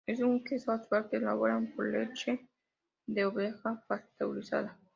Es un queso azul que se elabora con leche de oveja pasteurizada.